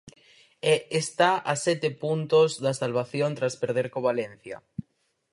E está a sete puntos da salvación tras perder co Valencia.